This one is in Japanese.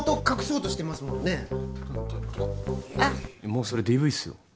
もうそれＤＶっすよ。